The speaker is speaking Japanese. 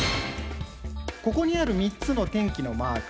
ここにある３つの天気のマーク